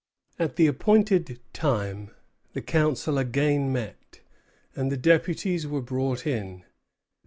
At the appointed time the Council again met, and the deputies were brought in.